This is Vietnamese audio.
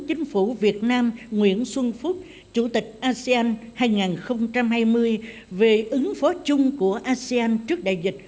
chính phủ việt nam nguyễn xuân phúc chủ tịch asean hai nghìn hai mươi về ứng phó chung của asean trước đại dịch